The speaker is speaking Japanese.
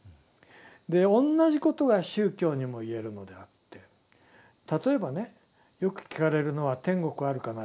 で同じことが宗教にも言えるのであって例えばねよく聞かれるのは天国あるかないかという。